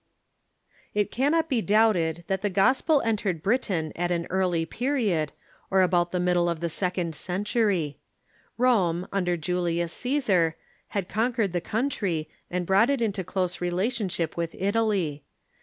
It cannot be doubted that the gospel entered Britain at an early period, or about tlie middle of the second century. Rome, under Julius Caesar, had conquered the British Laborers ,,...,,.,. country, and brouglit it into close relationship with Italy.